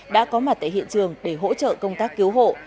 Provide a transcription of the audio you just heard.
đã có mặt tại hiện trường để hỗ trợ công tác cứu hộ